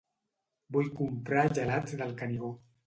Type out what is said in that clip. Vull comprar gelats del Canigó